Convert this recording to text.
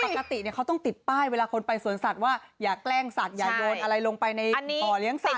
ปกติเขาต้องติดป้ายเวลาคนไปสวนสัตว์ว่าอย่าแกล้งสัตอย่าโยนอะไรลงไปในบ่อเลี้ยงสัตว